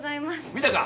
見たか？